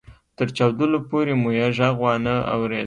تر چاودلو پورې مو يې ږغ وانه اورېد.